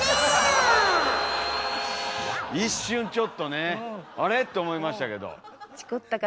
一瞬ちょっとねあれ？と思いましたけど。